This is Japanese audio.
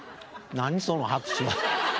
何その拍手は。